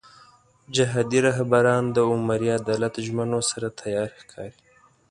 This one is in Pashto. جهادي رهبران د عمري عدالت ژمنو سره تیار ښکاري.